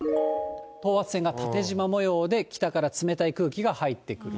等圧線が縦じま模様で、北から冷たい空気が入ってくる。